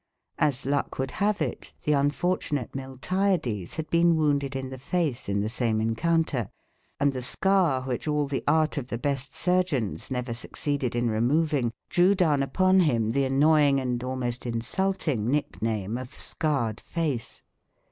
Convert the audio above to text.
As luck would have it, the unfortunate Miltiades had been wounded in the face in the same encounter; and the scar which all the art of the best surgeons never succeeded in removing, drew down upon him the annoying and almost insulting nick name of "scarred face".